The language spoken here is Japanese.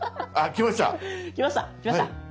きましたきました。